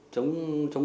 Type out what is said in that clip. chống đối tượng